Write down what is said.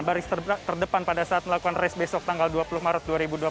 baris terdepan pada saat melakukan race besok tanggal dua puluh maret dua ribu dua puluh